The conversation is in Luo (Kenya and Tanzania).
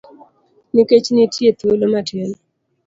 Nikech nitie thuolo matin.